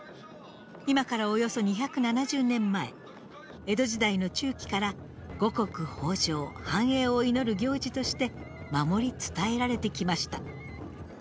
今からおよそ２７０年前江戸時代の中期から五穀豊穣・繁栄を祈る行事として守り伝えられてきました。